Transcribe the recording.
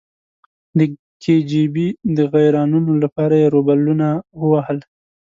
د کې جی بي د غیرانونو لپاره یې روبلونه ووهل.